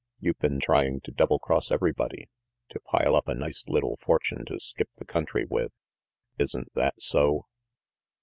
"You've been trying to double cross everybody, to pile up a nice little fortune to skip the country with. Isn't that so?"